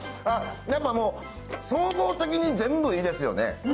総合的に全部いいですよね。